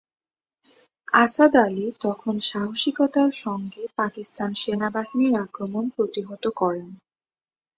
আসাদ আলী তখন সাহসিকতার সঙ্গে পাকিস্তান সেনাবাহিনীর আক্রমণ প্রতিহত করেন।